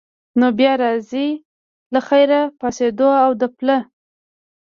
نو بیا راځئ له خیره، پاڅېدو او د پله.